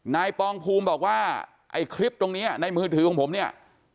ปองภูมิบอกว่าไอ้คลิปตรงนี้ในมือถือของผมเนี่ย